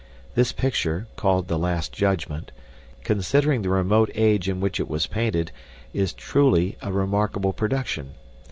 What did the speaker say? This picture, called the Last Judgment, considering the remote age in which it was painted, is truly a remarkable production.